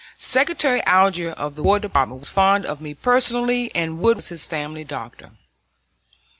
Secretary Alger of the War Department was fond of me personally, and Wood was his family doctor.